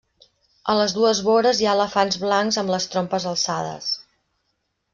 A les dues vores hi ha elefants blancs amb les trompes alçades.